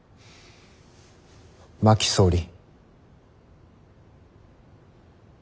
真木総理。